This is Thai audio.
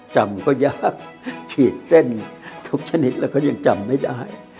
จำก็ยากฉีดเส้นทุกชนิดแล้วก็ยังจำไม่ได้